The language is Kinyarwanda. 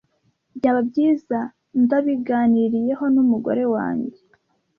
Byaba byiza ndabiganiriyeho numugore wanjye?